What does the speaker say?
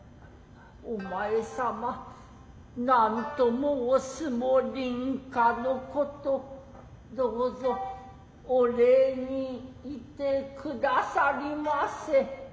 お前さま何と申すも隣家のことどうぞお礼に行って下さりませ。